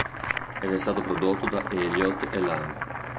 Ed è stato prodotto da Elliott e Lamb.